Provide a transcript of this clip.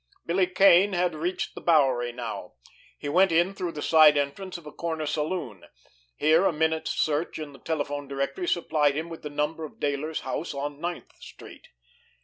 Billy Kane had reached the Bowery now. He went in through the side entrance of a corner saloon. Here, a minute's search in the telephone directory supplied him with the number of Dayler's house on Ninth Street.